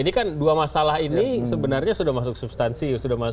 ini kan dua masalah ini sebenarnya sudah masuk substansi